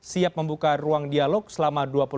siap membuka ruang dialog selama